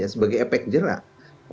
sebagai efek jerak